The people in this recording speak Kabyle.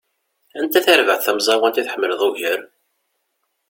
Anta tarbaεt tamẓawant i tḥemmleḍ ugar?